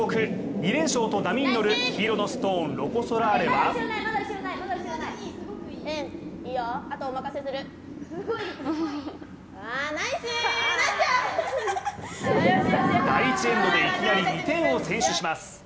２連勝と波に乗る黄色のストーン、ロコ・ソラーレは第１エンドでいきなり２点を先取します。